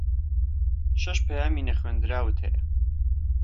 شەش پەیامی نەخوێندراوت ھەیە.